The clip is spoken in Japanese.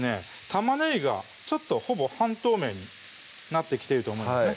玉ねぎがちょっとほぼ半透明になってきていると思うんですね